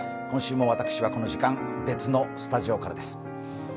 今週も私はこの時間、別のスタジオからです。